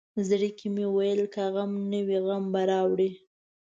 زړه کې مې ویل که غم نه وي غم به راوړي.